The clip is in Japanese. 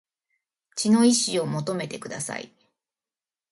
血の遺志を求めてください